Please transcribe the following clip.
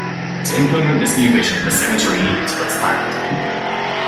To implement this new vision, the cemetery needed to expand.